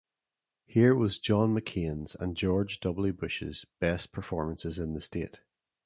Here was John McCain's and George W. Bush's best performances in the state.